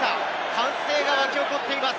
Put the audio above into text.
歓声が沸き起こっています。